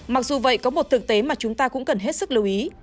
mặc dù vậy có một thực tế mà chúng ta cũng cần hết sức lưu ý